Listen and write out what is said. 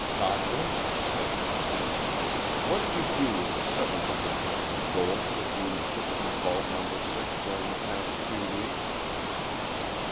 "Cochrane," said Drummond, "what did you do with the seven hundred pounds of gold that you took from Vault No. Six during the past few weeks?"